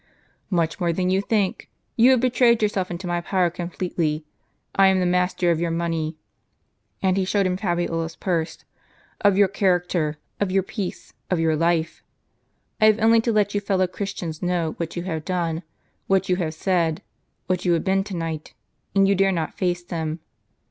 " Much more than you think. You have betrayed your self into my power completely. I am master of your money "— (and he showed him Fabiola's purse) — "of your character, of your peace, of your life. I have only to let your fellow Christians know what you have done, what you have said, what you have been to night, and you dare not face them.